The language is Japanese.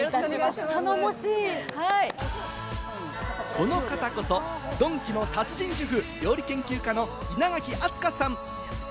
この方こそドンキの達人主婦・料理研究家の稲垣飛鳥さん。